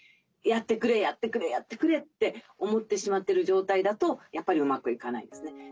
「やってくれやってくれやってくれ」って思ってしまってる状態だとやっぱりうまくいかないですね。